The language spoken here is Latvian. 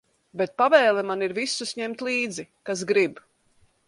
Bet pavēle man ir visus ņemt līdzi, kas grib.